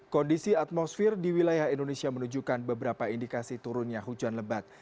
kondisi atmosfer di wilayah indonesia menunjukkan beberapa indikasi turunnya hujan lebat